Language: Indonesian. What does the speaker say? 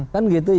kan gitu ya